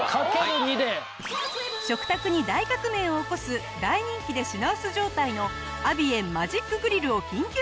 食卓に大革命を起こす大人気で品薄状態のアビエンマジックグリルを緊急確保。